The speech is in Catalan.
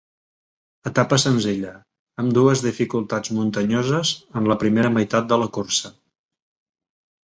Etapa senzilla, amb dues dificultats muntanyoses en la primera meitat de cursa.